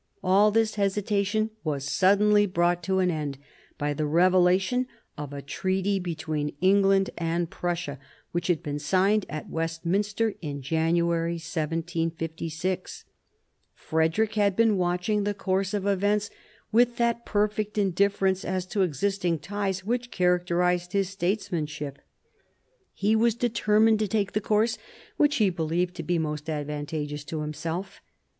■ All this hesitation was suddenly brought to an end by I the revelation of a treaty between England and Prussia l which had been signed at Westminster in January 1756. J Frederick had been watching the course of events with that perfect indifference as to existing ties which characterised his statesmanship. He was determined to take the course which he believed to be most advan tageous to himself.